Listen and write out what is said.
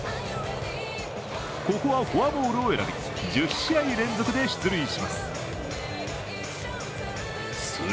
ここはフォアボールを選び、１０試合連続で出塁します。